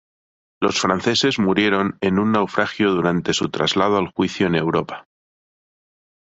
Los franceses murieron en un naufragio durante su traslado al juicio en Europa.